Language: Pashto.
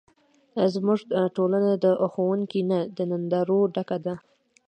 زموږ ټولنه د ښوونکو نه، د نندارو ډکه ده.